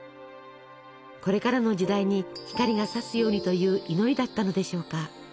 これからの時代に光がさすようにという祈りだったのでしょうか。